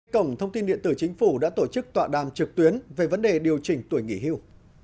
cổng thông tin điện tử chính phủ đã tổ chức tọa đàm trực tuyến về vấn đề điều chỉnh tuổi nghỉ hưu